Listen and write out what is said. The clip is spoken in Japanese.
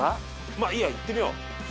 まあいいや行ってみよう。